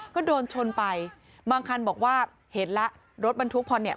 ก็โดนชนไปบางคันบอกว่าเห็นแล้วรถบรรทุกพอเนี่ย